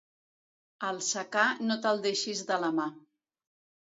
El secà no te'l deixis de la mà.